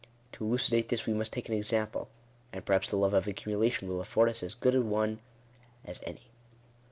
To elucidate this we must take an example ; and perhaps the love of accumulation will afford us as good a one as any.